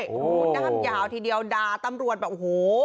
โอ้โหด้ามยาวทีเดียวด่าตำรวจแบบโอ้โห